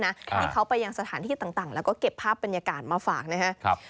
ที่เขาไปยังสถานที่ต่างแล้วก็เก็บภาพบรรยากาศมาฝากนะครับ